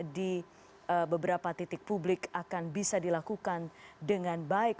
di beberapa titik publik akan bisa dilakukan dengan baik